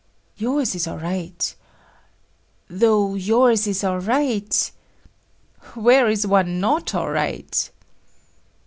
"Yours is all right. Though yours is all right……." "Where is one not all right?"